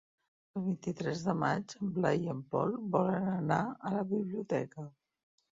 El vint-i-tres de maig en Blai i en Pol volen anar a la biblioteca.